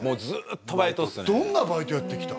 どんなバイトやってきた？